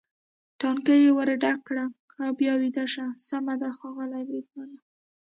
ټانکۍ یې ور ډکه کړه او بیا ویده شه، سمه ده ښاغلی بریدمنه.